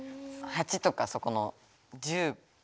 ８とかそこの１０。